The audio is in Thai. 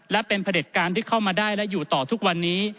และเป็นผลิตการที่เข้ามาได้และอยู่ต่อทุกวันนี้